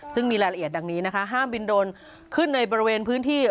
ซึ่งมีรายละเอียดดังนี้นะคะห้ามบินโดรนขึ้นในบริเวณพื้นที่